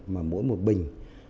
mà mỗi một bình